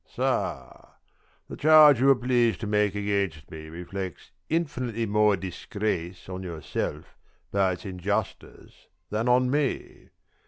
Sir, The charge you are pleased to make against me reflects infinitely more disgrace on yourself by its injustice than on me.